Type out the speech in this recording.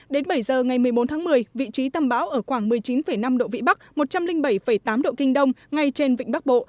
đến bảy giờ ngày một mươi bốn tháng một mươi vị trí tâm bão ở khoảng một mươi chín năm độ vĩ bắc một trăm linh bảy tám độ kinh đông ngay trên vịnh bắc bộ